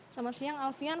selamat siang alfion